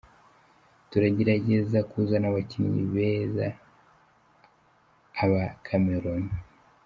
Turagerageza kuzana abakinyi bez aba Cameroun.